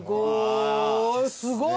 すごい！